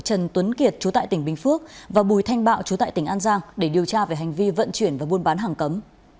trần tuấn kiệt chú tại tỉnh bình phước và bùi thanh bạo chú tại tỉnh an giang để điều tra về hành vi vận chuyển và buôn bán hàng cấm